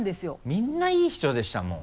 みんないい人でしたもん